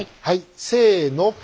はいせの！